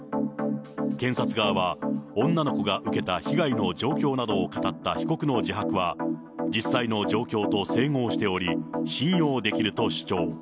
検察側は女の子が受けた被害の状況などを語った被告の自白は、実際の状況と整合しており、信用できると主張。